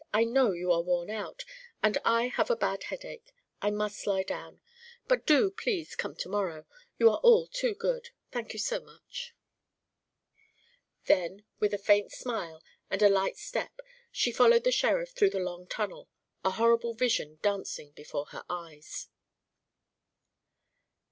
"I know you are worn out, and I have a bad headache. I must lie down. But do please come to morrow. You are all too good. Thank you so much." Then with a faint smile and a light step she followed the sheriff through the long tunnel, a horrible vision dancing before her eyes.